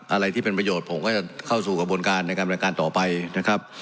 อะไรที่เป็นประโยชน์ผมก็จะเข้าสู่กระบวนการในการบริการต่อไปนะครับ